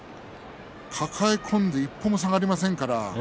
抱え込んで一歩も下がりませんから。